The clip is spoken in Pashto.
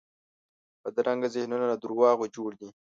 بدرنګه ذهنونه له دروغو جوړ دي